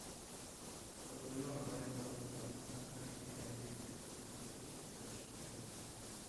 خوتۇنۇمنىڭ ھاۋايغا بارغۇسى بار، بىراق مەن ئۇ يەرنى بەك يىراق كۆرۈپ، بېرىشقا قوشۇلمىدىم.